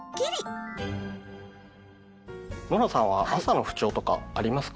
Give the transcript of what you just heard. ノラさんは朝の不調とかありますか？